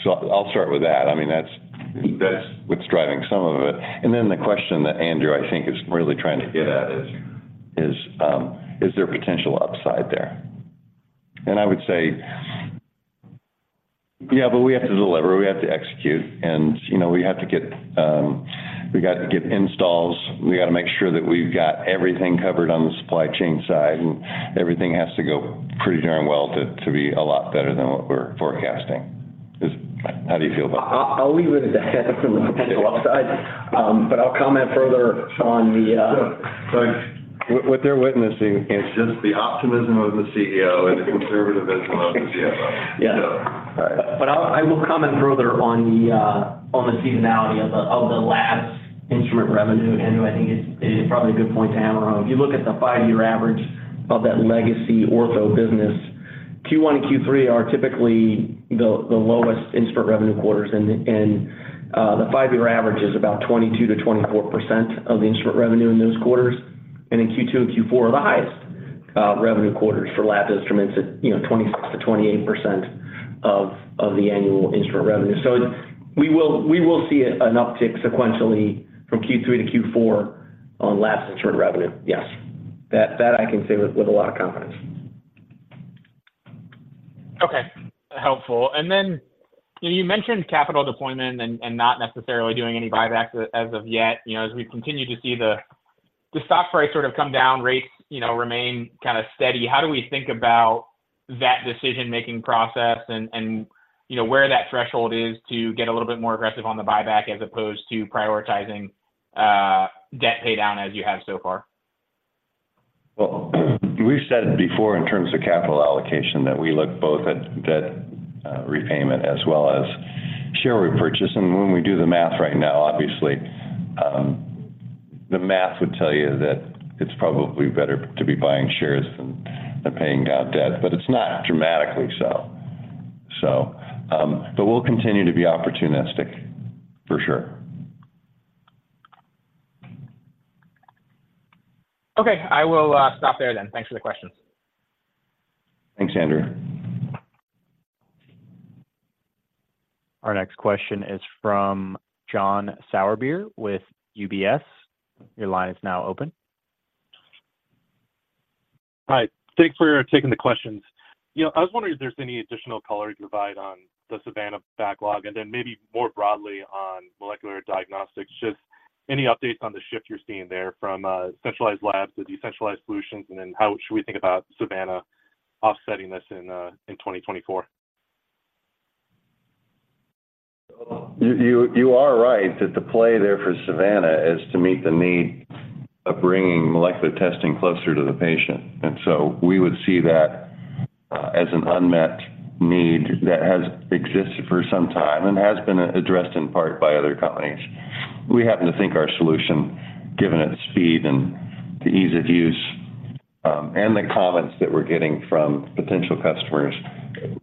So I'll start with that. I mean, that's, that's what's driving some of it. And then the question that Andrew, I think, is really trying to get at is, is there potential upside there? And I would say, yeah, but we have to deliver, we have to execute, and, you know, we have to get, we got to get installs. We got to make sure that we've got everything covered on the supply chain side, and everything has to go pretty darn well to, to be a lot better than what we're forecasting. Is - How do you feel about that? I'll leave it at that from a potential upside, but I'll comment further on the- So what they're witnessing is just the optimism of the CEO and the conservatism of the CFO. Yeah. But I will comment further on the seasonality of the labs instrument revenue. Andrew, I think it's probably a good point to hammer on. If you look at the five-year average of that legacy ortho business, Q1 and Q3 are typically the lowest instrument revenue quarters, and the five-year average is about 22%-24% of the instrument revenue in those quarters. And then Q2 and Q4 are the highest revenue quarters for lab instruments at, you know, 26%-28% of the annual instrument revenue. So we will see an uptick sequentially from Q3 to Q4 on lab instrument revenue. Yes. That I can say with a lot of confidence. Okay, helpful. And then, you know, you mentioned capital deployment and not necessarily doing any buybacks as of yet. You know, as we continue to see the stock price sort of come down, rates, you know, remain kind of steady. How do we think about that decision-making process and, you know, where that threshold is to get a little bit more aggressive on the buyback as opposed to prioritizing debt paydown as you have so far? Well, we've said before in terms of capital allocation, that we look both at debt repayment as well as share repurchase. When we do the math right now, obviously, the math would tell you that it's probably better to be buying shares than paying down debt, but it's not dramatically so. But we'll continue to be opportunistic, for sure. Okay, I will stop there then. Thanks for the questions. Thanks, Andrew. Our next question is from John Sourbeer with UBS. Your line is now open. Hi, thanks for taking the questions. You know, I was wondering if there's any additional color you can provide on the Savanna backlog, and then maybe more broadly on molecular diagnostics. Just any updates on the shift you're seeing there from centralized labs to decentralized solutions, and then how should we think about Savanna offsetting this in 2024? You are right that the play there for Savanna is to meet the need of bringing molecular testing closer to the patient. And so we would see that as an unmet need that has existed for some time and has been addressed in part by other companies. We happen to think our solution, given its speed and the ease of use, and the comments that we're getting from potential customers,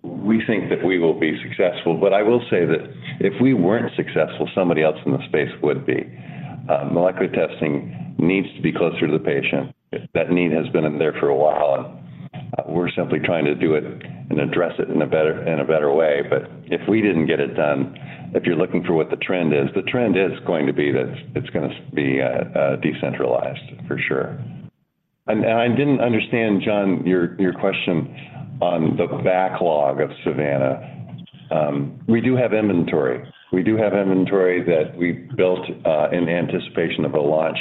we think that we will be successful. But I will say that if we weren't successful, somebody else in the space would be. Molecular testing needs to be closer to the patient. That need has been in there for a while, and we're simply trying to do it and address it in a better way. But if we didn't get it done, if you're looking for what the trend is, the trend is going to be that it's gonna be decentralized for sure. And I didn't understand, John, your question on the backlog of Savanna. We do have inventory. We do have inventory that we built in anticipation of a launch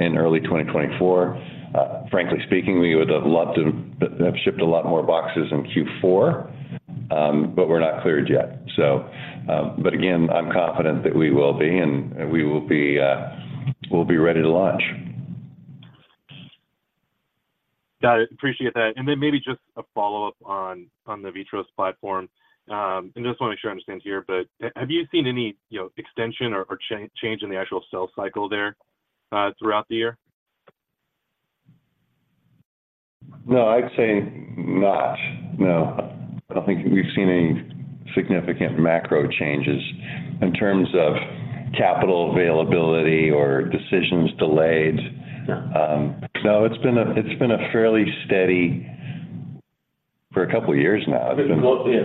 in early 2024. Frankly speaking, we would have loved to have shipped a lot more boxes in Q4, but we're not cleared yet, so... But again, I'm confident that we will be, and we will be, we'll be ready to launch. Got it. Appreciate that. And then maybe just a follow-up on the VITROS platform. And just wanna make sure I understand here, but have you seen any, you know, extension or change in the actual sales cycle there throughout the year? No, I'd say not, no. I don't think we've seen any significant macro changes in terms of capital availability or decisions delayed. No, it's been fairly steady for a couple of years now. Globally,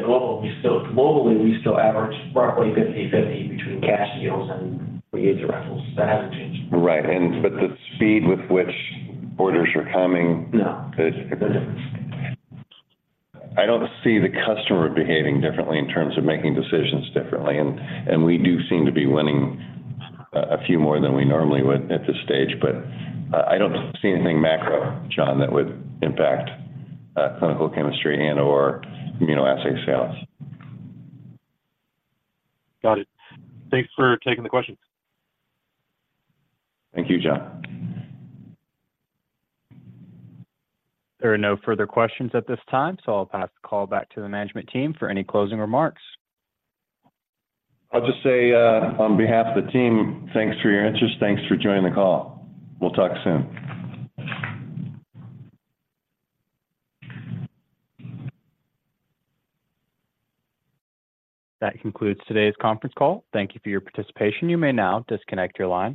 we still average roughly 50/50 between cash deals and lease rentals. That hasn't changed. Right. But the speed with which orders are coming I don't see the customer behaving differently in terms of making decisions differently, and we do seem to be winning a few more than we normally would at this stage. But I don't see anything macro, John, that would impact clinical chemistry and/or immunoassay sales. Got it. Thanks for taking the questions. Thank you, John. There are no further questions at this time, so I'll pass the call back to the management team for any closing remarks. I'll just say, on behalf of the team, thanks for your interest. Thanks for joining the call. We'll talk soon. That concludes today's conference call. Thank you for your participation. You may now disconnect your lines.